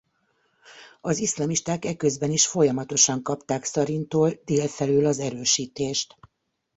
Az iszlamisták eközben is folyamatosan kapták Szarintól dél felől az erősítést.